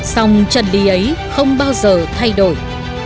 sông trần lý ấy không bao giờ thay đổi